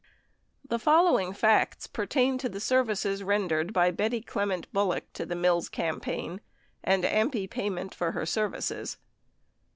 31 The following facts pertain to the services rendered by Betty Clem ent Bullock to the Mills campaign, and AMPI payment for her serv ices.